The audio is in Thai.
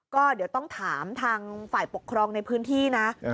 ก็เดี๋ยวต้องถามทางฝ่ายปกครองในพื้นที่นะ